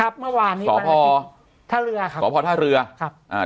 เมื่อวานนี้พอท่าเรือครับสพท่าเรือครับอ่า